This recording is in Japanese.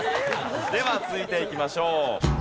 では続いていきましょう。